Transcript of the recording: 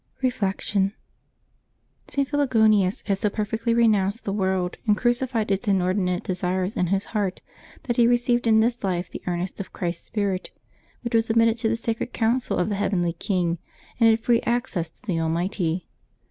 Reflection. — St. Philogonius had so perfectly renounced the world, and crucified its inordinate desires in his heart, that he received in this life the earnest of Christ's Spirit, was admitted to the sacred council of the heavenly King, and had free access to the Almighty.